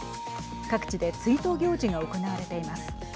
各地で追悼行事が行われています。